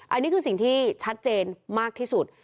อันนี้คือสิ่งที่ชัดเจนมากที่สุด